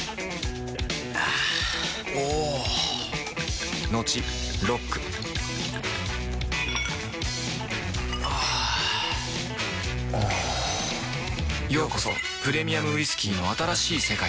あぁおぉトクトクあぁおぉようこそプレミアムウイスキーの新しい世界へ